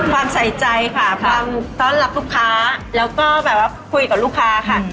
ใส่ใจค่ะความต้อนรับลูกค้าแล้วก็แบบว่าคุยกับลูกค้าค่ะ